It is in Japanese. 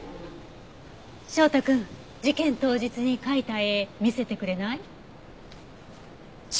翔太くん事件当日に描いた絵見せてくれない？